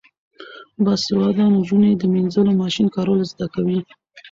باسواده نجونې د مینځلو ماشین کارول زده کوي.